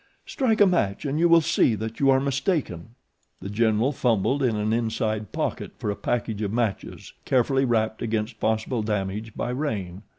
Strike a match and you will see that you are mistaken." The General fumbled in an inside pocket for a package of matches carefully wrapped against possible damage by rain.